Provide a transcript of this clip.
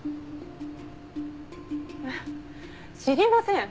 えっ知りません！